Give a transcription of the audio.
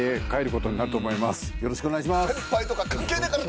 よろしくお願いします。